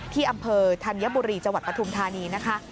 ที่อำเภอธันยบุรีจะพอทุมธานีนะคะ